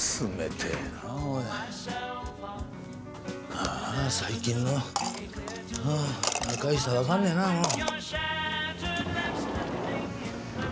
ああ最近の若い人は分かんねえなもう。